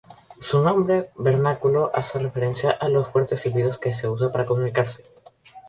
Su nombre vernáculo hace referencia a los fuertes silbidos que usa para comunicarse.